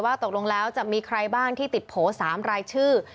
ตกลงแล้วจะมีใครบ้างที่ติดโผล่๓รายชื่อ